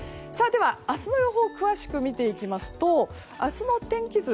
明日の予報を詳しく見ていきますと、明日の天気図